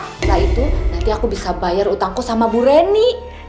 setelah itu nanti aku bisa bayar utangku sama bu reni